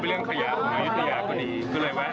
พี่ต้องออกไปรวมกันที่คุณแพทย์